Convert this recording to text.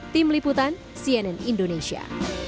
tim liputan cnn indonesia